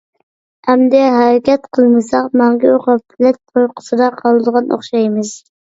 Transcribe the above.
ئەمدى ھەرىكەت قىلمىساق، مەڭگۈ غەپلەت ئۇيقۇسىدا قالىدىغان ئوخشايمىز!